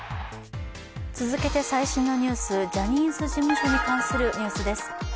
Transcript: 続けて最新のニュース、ジャニーズ事務所に関するニュースです。